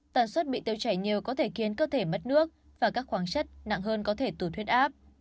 tàn suất bị tiêu chảy nhiều có thể khiến cơ thể mất nước và các khoáng chất nặng hơn có thể từ thuyết áp